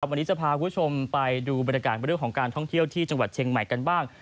วันนี้จะพาคุณผู้ชมไปดูบรรยากาศเรื่องของการท่องเที่ยวที่จังหวัดเชียงใหม่กันบ้าง